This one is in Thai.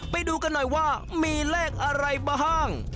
ไปดูกันหน่อยว่ามีเลขอะไรบ้าง